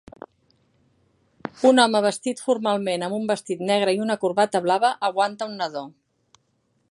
Un home vestit formalment amb un vestit negre i una corbata blava aguanta un nadó.